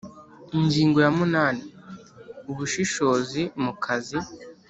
Ingingo ya munani Ubushishozi mu kazi